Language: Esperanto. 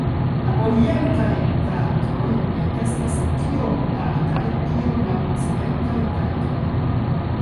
La Orientaj Ghatoj ne estas tiom altaj kiom la Okcidentaj Ghatoj.